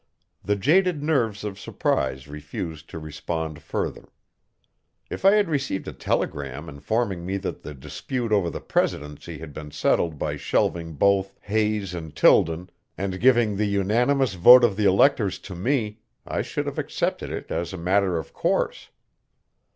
The jaded nerves of surprise refused to respond further. If I had received a telegram informing me that the dispute over the presidency had been settled by shelving both Hayes and Tilden and giving the unanimous vote of the electors to me, I should have accepted it as a matter of course.